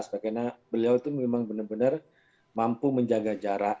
karena beliau itu memang benar benar mampu menjaga jarak